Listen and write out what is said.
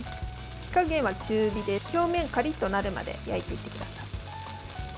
火加減は中火で表面がカリッとなるまで焼いていってください。